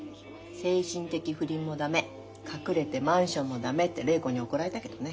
精神的不倫も駄目隠れてマンションも駄目って礼子に怒られたけどね。